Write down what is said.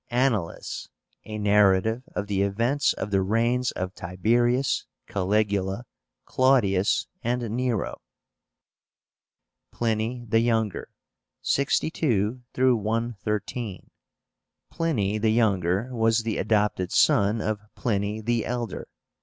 Annales, a narrative of the events of the reigns of Tiberius, Caligula, Claudius, and Nero. PLINY THE YOUNGER (62 113). Pliny the Younger was the adopted son of Pliny the Elder.